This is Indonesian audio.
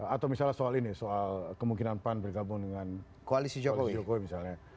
atau misalnya soal ini soal kemungkinan pan bergabung dengan koalisi jokowi jokowi misalnya